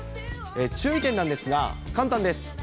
注意点なんですが、簡単です。